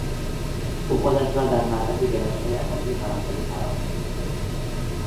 او خودش را در معرض گرایشهای ادبی فرانسوی قرار داد.